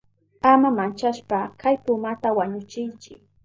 Ama manchashpa kay pumata wañuchiychi.